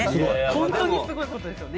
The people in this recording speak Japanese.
本当にすごいことですよね。